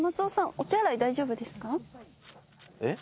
お手洗い大丈夫ですか？